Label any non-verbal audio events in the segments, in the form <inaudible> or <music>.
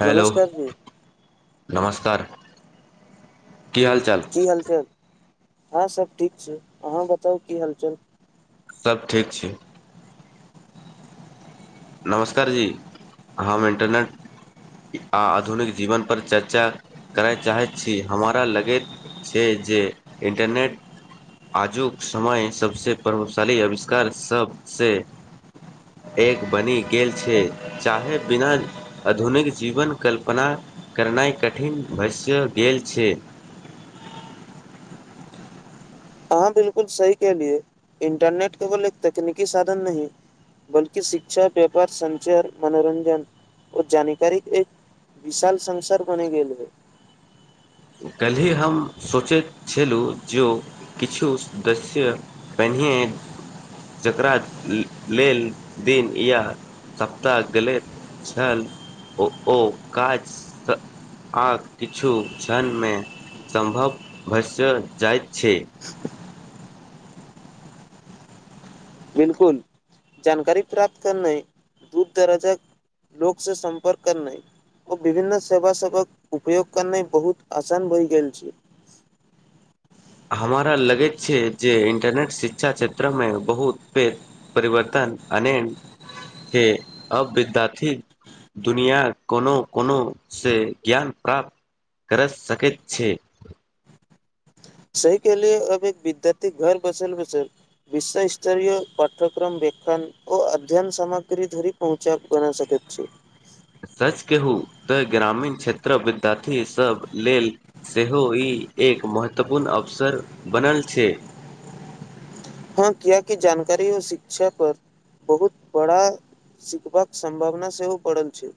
hello नमस्कार जी नमस्कार की हाल चाल हँं सब ठीक छै अहाँ बताउ की हालचल सब ठीक छैए नमस्कार जी हम इंटरनेट आ आधुनिक जीवन पर चर्चा करय चाहैत छी हमरा लगैत छैए जे इन्टरनेट आजुक समय सबसे प्रभावशाली आविष्कार सब से एक बनि गेल छै चाहे बिना आधुनिक जीवन कल्पना करनाई कठिन वैशय गेल छै <inaudible> हां बिल्कुल सही कहलिअइ इंटरनेट केवल एक तकनीकी साधन नहि बल्कि शिक्षा व्यापार संञ्चार मनोरञजन ओ जानकारी एक विशाल संसार बने गेलै <inaudible> कलही हम सोचे छलु जो किछु सदस्य पेन्हे जकरा लेल दिन या सप्ताह गलेत छल ओ काज आ किछु जनमे सम्भव भस जाइत छैइ बिलकुल जानकारी प्राप्त करने दू तरजक लोक से सम्पर्क कर नहि ओ विभन्न सेवा सेवक उपयोग करना बहुत आसान होइ गेल छैए <inaudible> हमरा लगैत छै जे इंटरनेट शिक्षा क्षेत्रमे बहुते परिवर्तन से अबदा दुनिया कोनो कोनो से ज्ञान प्राप्त कर सकैत छैए सहि के लेल अब एक विद्यार्थी घर बसल बसल विश्व स्तरीय पाठ्यक्रम व्यक्त ओ अध्ययन सामग्री धरी पहुँचब बना सकैत अछि सच केहू तऽ ग्रामीण क्षेत्रक विद्यार्थी सब लेल सेहो ई एक महत्वपूर्ण अवसर बनल छैइ किया कि जानकारी ओ शिक्षा पर बहुत बड़ा सीखबाक संभावना सेहो बढ़ल छै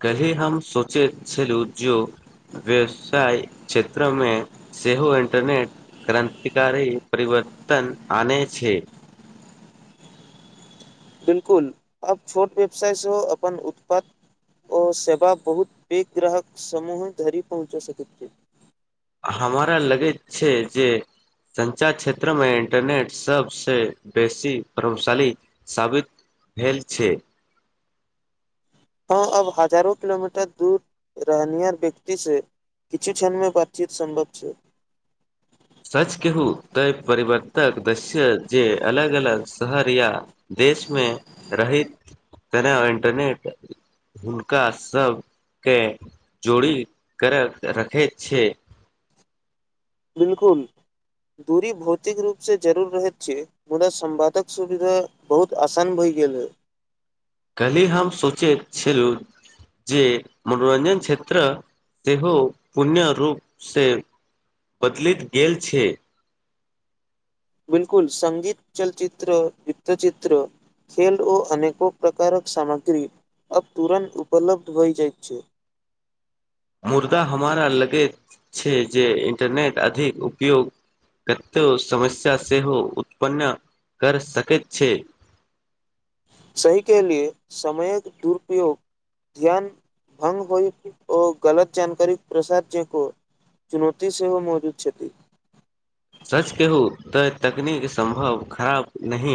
कल्हि हम सोचेत छेलू जो व्यवसाय क्षेत्रमे सेहो इन्टरनेट क्रान्तिकारी परिवर्तन आनै छै बिलकुल आब छोट व्यवसाय सेहो अपन उत्पाद ओ सेवा बहुत पैघ ग्राहक समूह धरि पहुँचा सकैत हमरा लगैत छै जे संचार क्षेत्रमे इंटरनेट सबसे बेसी प्रभवशाली साबित भेल छै हँ आब हजारो किलोमीटर दूर रहनिहार व्यक्ति से किछु छनमे बातचित सम्भव छै <inaudible> सच कहू तऽ परिवर्तक दश्य जे अलग अलग शहर या देशमे रहैत तेना इंटरनेट हुनका सब के जोड़ी कर रखैत छै बिलकुल दूरी भौतिक रूपसे जरूर रहैत छियै मुदा संवादक सुविधा बहुत आसान भइ गेलइ कल्हि हम सोचैत छलहुँ जे मनोरंजन क्षेत्र सेहो पुण्य रूपसे बदलैत गेल छै बिलकुल संगीत चलचित्र वित्तचित्र खेल ओ अनेको प्रकारक सामग्री अब तुरन्त उपलब्ध भय जाइत छै मुर्दा हमरा लगैत छै जे इंटरनेट अधिक उपयोग कत्तो समस्या सेहो उत्पन्न कर सकैत छै <inaudible> सही केहलियै समयक दुरुपयोग ध्यान भंग होइ ओ गलत जानकारी प्रसाद जो को चुनौती सेहो मौजूद छथि सच कहू तऽ तकनीक सम्भव खराब नहि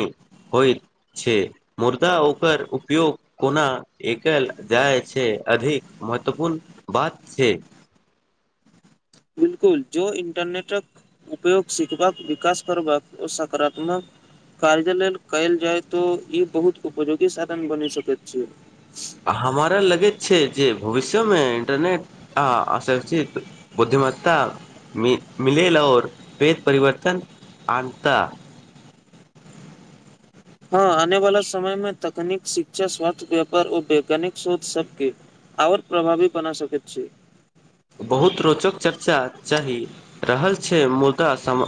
होइत छै मुर्दा ओकर उपयोग कोना एकऐल जाइ छै अधिक महत्वपूर्ण बात छै बिल्कुल जो इन्टरनेटक उपयोग सिखबाक विकास करबाक ओ सकारात्मक कार्य लेल कयल जाय तो ई बहुत उपयोगी साधन बनि सकैत छै हमारा लगैत छै जे भविष्यमे इंटरनेट आ शिक्षित बुद्धि मत्ता मिलेल ओर पैघ परिवर्तन आनता हँ आने वाला समय मे तकनीक शिक्षा स्वास्थ व्यापार ओ वैज्ञानिक शोध सबके आओर प्रभावी बना सकैत छी बहुत रोचक चर्चा चाही रहल छै मुदा सम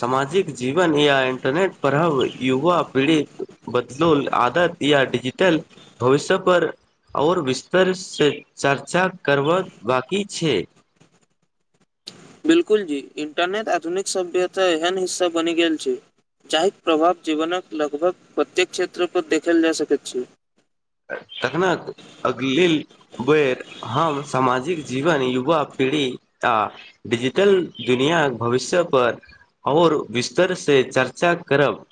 सामाजिक जीवन या इंटरनेट पढ़ब युवा पीढ़ीक बदलोल आदत या डिजिटल भविष्य पर आओर विस्तर से चर्चा करब बाकी छै बिल्कुल जी इन्टरनेट आधुनिक सभ्यता एहन हिस्सा बनि गेल छै जाहिक प्रभाव जीवनक लगभग प्रत्येक क्षेत्र पर देखल जा सकैत छै तखनत अगलिल बेर हम सामाजिक जीवन युवा पीढ़ी आ डिजिटल दुनियाँक भविष्य पर आओर बिस्तर से चर्चा करब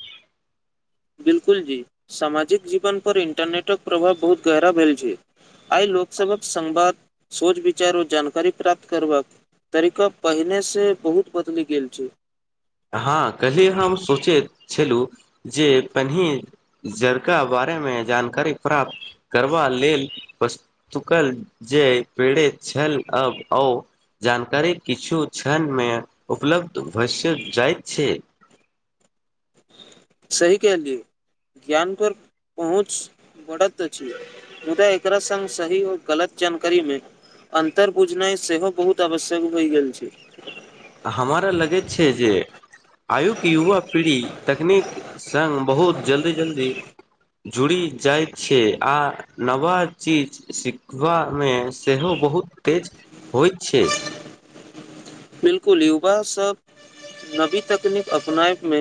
बिल्कुल जी सामाजिक जीवन पर इंटरनेटक प्रभाव बहुत गहरा भेल छै आइ लोक लोक सभक संवाद सोच विचार ओ जानकारी प्राप्त करबाक तरीका पहिनेसँ बहुत बदलि गेल छै हँ कल्हे हम सोचैत छलहुँ जे पनहि जरका बारेमे जानकारी प्राप्त करबा लेल पस्तुकल जे पेड़े छल अब ओ जानकारी किछु क्षणमे उपलब्ध भवष्य जाइ छै सही कहलिय ज्ञान पर पहुँच बढ़त अछि मुद्दा एकरा संग सही आओर गलत जानकारीमे अन्तर बुझनाइ सेहो बहुत आवश्यक भए गेल छै हमरा लगैत छै जे आयुक युवा पीढ़ी तकनीक संग बहुत जल्दी जल्दी जुड़ि जाइत छै आ नवा चीज सिखबामे सेहो बहुत तेज होइ छै बिलकुल युवा सब नबी तकनीक अपनाय मे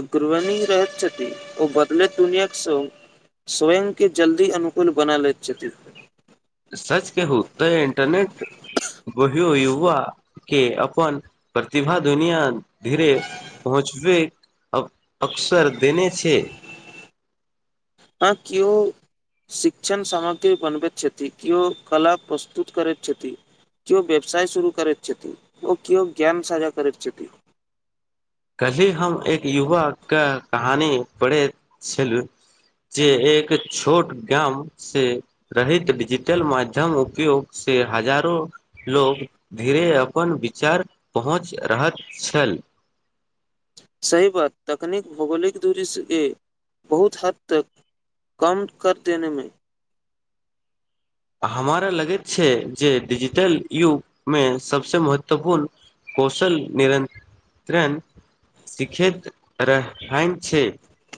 अग्रवनी रहैत छथि ओ बदलैत दुनिया सो स्वयं के जल्दी अनुकूल बना लैत छथिन <inaudible> बहियो युवा के अपन प्रतिभा दुनिया धीरे पहुँचबेक अक्सर देने छै हँ कि ओ शिक्षण सामग्री बनबैत छथि किओ कला प्रस्तुत करैत छथि किओ व्यवसाय शुरू करैत छथिन ओ किओ ज्ञान साझा करैत छथि कल्हि हम एक युवा क कहानी पढ़ैत छलहुँ जे एक छोट गाम से रहत डिजिटल माध्यम उपयोग से हजारो लोग धीरे अपन विचार पहुँच रहल छल <inaudible> सही बात तकनीक भौगोलिक दूरीसिये बहुत हद तक कम कर देनेमे हमारा लगैत छै जे डिजिटल युग मे सबसे महत्वपूर्ण कौशल निरंत्रण सिखे रहाय छै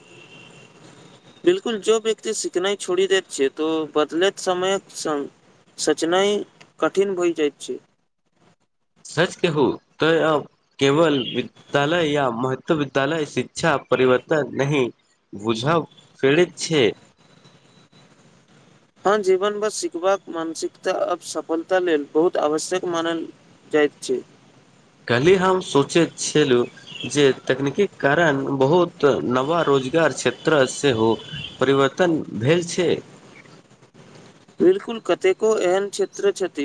<inaudible> बिलकुल जो व्यक्ति सिखनाइ छोड़ी देैत छै त बदलैत समयक संग सोचनाइ कठिन भइ जाइ छै सच कहू त अब केवल विद्यालय या महत्व विद्यालय शिक्षा परिवर्तन नहि बुझाव फेरित छै हँ जीवन ब सिखबाक मानसिकता आब सफलता लेल बहुत आवश्यक मानल जाइत छै कली हम सोचैत छलहु जे तकनीकीक कारण बहुत नवा रोज रोजगार क्षेत्र सेहो परिवर्तन भेल छै बिल्कुल कतेको एहन क्षेत्र छथि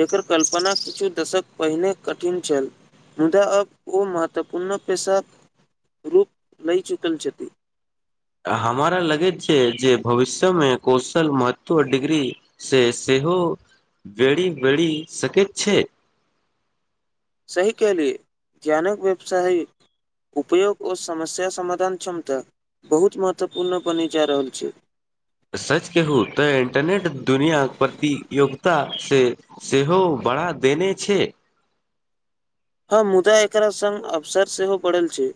जकर कल्पना किछु दशक पहिने कठिन छल मुदा अब ओ महत्वपूर्ण पेशाक रूप नै चुकल छथि हमारा लगज छै जे भविष्यमे कौशल महत्व डिग्री से से इहो वेरी बैरी सके छै सही केलि ध्यानक व्यवसाय उपयोग ओ समस्या समाधान क्षमता बहुत महत्वपूर्ण बनि जा रहल छै सच कहू तऽ इंटरनेट दुनिया प्रतियोगता से सेहो बढ़ा देने छै हमँ मुदा एकरा सङ्ग अवसर सेहो पड़ल छैय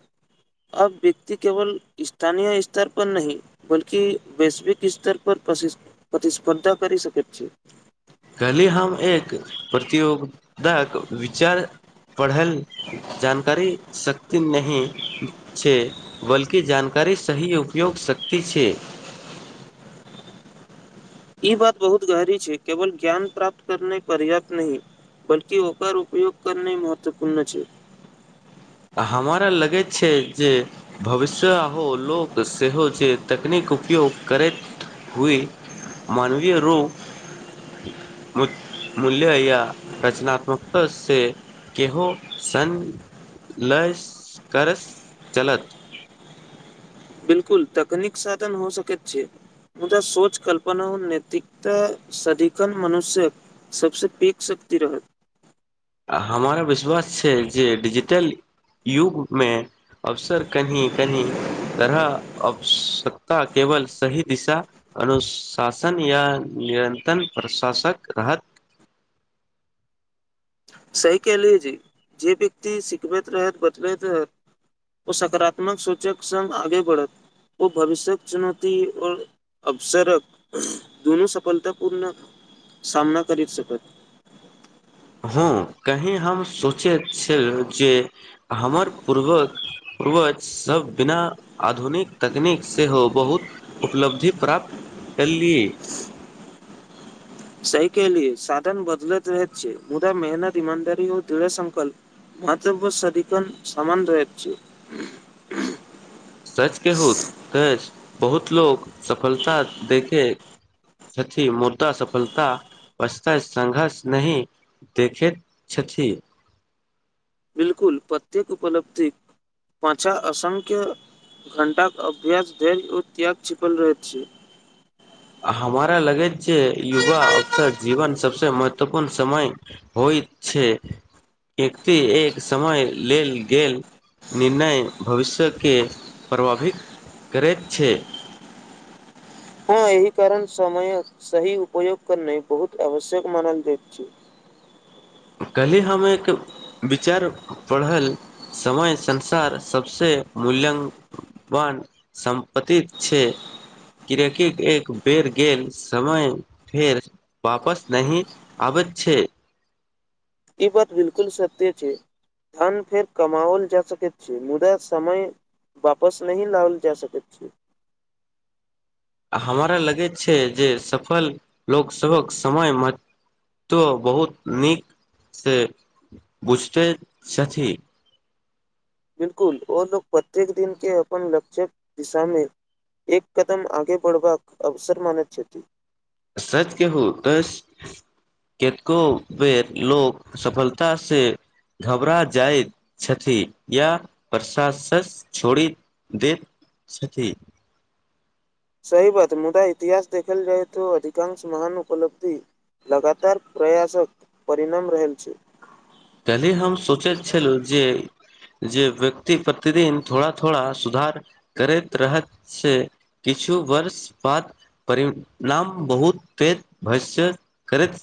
अब व्यक्ति केवल स्थानीय स्तर पर नहि बल्कि वैश्विक स्तर पर प्रतिस्पर्धा कर सक छै कली हम एक प्रतियोगाक विचार पढ़ल जानकारी सकती नहि छै बल्कि जानकारी कर सही उपयोग शक्ति छै ई बात बहुत गहरी छै केवल ज्ञान प्राप्त करने पर्याप्त नहि बलकि होकर उपयोग करने महत्वपूर्ण छै ह हमराा लगैत छै जे भविष्य हो लोक सेहो जे तकनीक उपयोग करैत हए मानवीय रोग मूल्य या रचनात्मकता से केहो सन लस करस चलत बिलकुल तकनीक साधन हो सकैत छै मुदा सोच कल्पना उ नैैतिकता सदिखन मनुष्य सबस पीक शक ी रहत हमरा विश्वास छै जे िजिटल युगमे अवसर कनी कनी तरह आवश्यकता केवल सही दिशा अनुशासन या निरन्तम प्रशासक रहत सही क लिय जी जे व्यक्त सिखबैत रहैत बदलैत रह ओ सकारात्मक सोचक सङ् आगे बढ़त ओ भविष्य्यक चुनौती और अबसरक दुनू सफलतापूर्ण सामना करि सकत <inaudible> हँ कही हम सोचैत छलुं जे हमर पूर्वक पूर्वजसब बिना आधुनिक तकनीक सेहो बहुत उपलब्धि प्राप्त कल्लि सही केहेलियै साधन बदलैत रहैत छै मुदा मेहनत इमानदार ओ दृढ़ संकल्प मातव सादीखन समान रहय छै सच के हुते बहुत लोक सफलता दैते सचि मर्दा सफलता बस्ता संघर्ष नहि देखैत छथि बिलकुल प्रत्येक उपलब्धि पाँचा असंख्य घण्टाक अभ्यास धेर ओ त्याग छिपल रहै छै हमारा लगैत छै युवा अफसर जीवन सबसे महत अपन समय होइत छै एकति एक समय लेल गेल निर्णय भविष्यके प्रभावित करैत छै <inaudible> हँ एहि कारण समयक सही उयोग करनाइ बहुत आवश्यक मानल जाइ छै कली हम एक विचार पढ़ल समय संसार सबसे मूल्यङ्कवान संपतिक छै किरैकि एक बेर गेल समय फेर वापस नहि आबे अच्छे ई बात बिलकुल सत्य छै धन फेर कमाओल जा सकैत छै मुदा समय वापस नहि लाओल जा सकैत छै हमरा लगेय छै जे सफल लोक सभक समय म तो बहुत नीक से बुझते छथि <inaudible> बिलकुल ओ लोग प्रत्येक दिन के अपन लक्ष्य दिशामे एक कदम आगे बढ़बाक अवसर मानैत छथि सच कहु तऽ स केतको बेेर लोक सफलता से घबरा जाइत छथि या प्रशासस छोड़ि दैत छथि सही बात मुदा इतिहास देखल जाय तो अधिकांश महान उपलब्धि लगातार प्रयासक परिणाम रहल छै कलही हम सोचैत छलु जे जे व्यक्ति प्रतिदिन थोड़ा थोड़ा सुधार करैत रहैत छै कि छु वर्ष बाद परिणाम बहुत तेभष्य करैत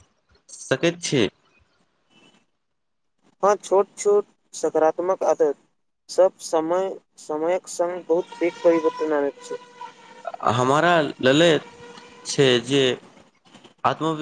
सकैत छी हँ छोट छोट सकारात्मक आदत सभ समय समयक संग बहुत पैघ परिवर्तन आनैत छै हमरा ललेत छै जे आत्मवि